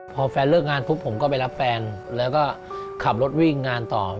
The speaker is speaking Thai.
พอแฟนเลิกงานปุ๊บผมก็ไปรับแฟนแล้วก็ขับรถวิ่งงานต่อ